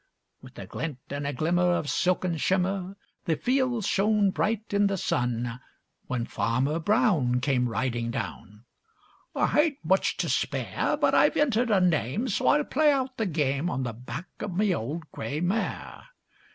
With a glint and a glimmer of silken shimmer The field shone bright in the sun, When Farmer Brown came riding down: 'I hain't much time to spare, But I've entered her name, so I'll play out the game, On the back o' my old gray mare.